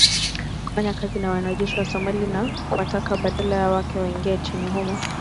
kufanya kazi na wanajeshi wa Somalia na kuwataka badala yake waingie nchini humo